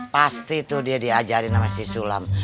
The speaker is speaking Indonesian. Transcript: pasti tuh dia diajarin sama si sulam